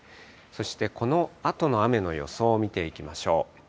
そしてこのあとの雨の予想を見ていきましょう。